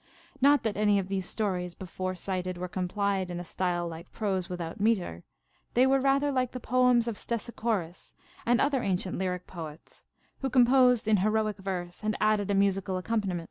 Not that any of these stories before cited were compiled in a style like prose without metre ; they were rather like the poems of Ste sichorus and other ancient lyric poets, who composed in heroic verse and added a musical accompaniment.